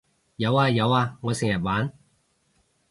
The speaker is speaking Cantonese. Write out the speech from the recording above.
有呀有呀我成日玩